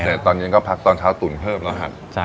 น็ตอนเย็นก็พักตอนเศร้าตุ๋นเพิ่มแล้วฮะ